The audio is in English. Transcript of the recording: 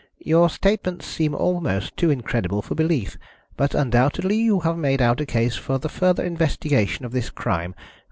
"Your statements seem almost too incredible for belief, but undoubtedly you have made out a case for the further investigation of this crime.